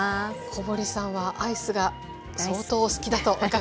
小堀さんはアイスが相当お好きだと伺ったんですが。